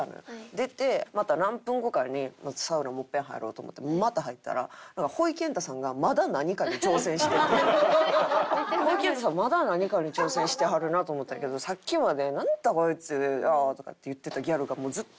出てまた何分後かにサウナもういっぺん入ろうと思ってまた入ったらなんかほいけんたさんが。ほいけんたさんまだ何かに挑戦してはるなと思ったけどさっきまで「なんだこいつ！」とかって言ってたギャルがもうずっと。